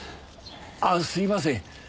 あっすいません。